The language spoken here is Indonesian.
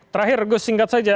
terakhir gus singkat saja